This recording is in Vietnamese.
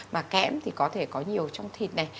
mà kẽm thì có thể có nhiều trong thịt này